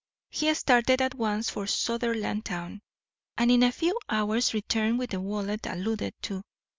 He started at once for Sutherlandtown, and in a few hours returned with the wallet alluded to.